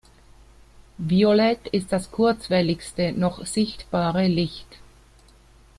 Violett ist das kurzwelligste noch sichtbare Licht.